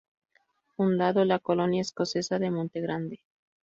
Fundando la Colonia Escocesa de Monte Grande.